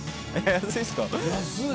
安いですか？